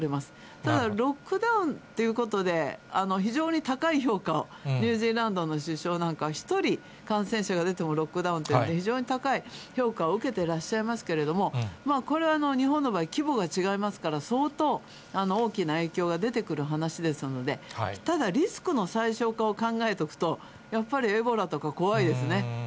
ただ、ロックダウンということで非常に高い評価をニュージーランドの首相なんか１人、感染者が出てもロックダウンっていう、非常に高い評価を受けてらっしゃいますけれども、これは日本の場合、規模が違いますから、相当大きな影響が出てくる話ですので、ただ、リスクの最小化を考えておくと、やっぱりエボラとか怖いですね。